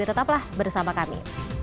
tetaplah bersama kami